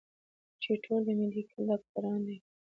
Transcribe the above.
چې ټول د ميډيکل ډاکټران دي